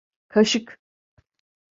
Kaşık…